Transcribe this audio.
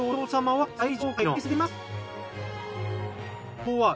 はい。